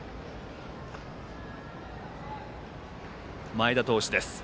前田投手です。